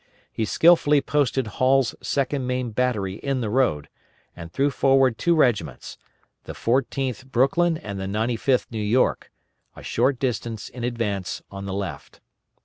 He skilfully posted Hall's 2d Maine battery in the road, and threw forward two regiments, the 14th Brooklyn and the 95th New York, a short distance in advance on the left.